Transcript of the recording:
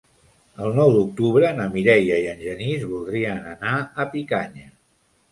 El nou d'octubre na Mireia i en Genís voldrien anar a Picanya.